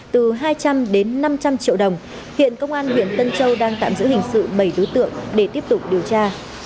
từ hai trăm linh đến năm trăm linh triệu đồng hiện công an huyện tân châu đang tạm giữ hình sự bảy đối tượng để tiếp tục điều tra